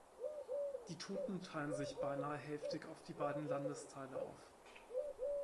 Die Toten teilen sich beinahe hälftig auf beiden Landesteile auf.